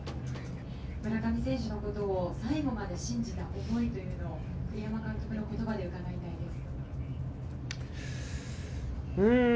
村上選手のことを最後まで信じた思いというのを、栗山監督のことばで伺いたいです。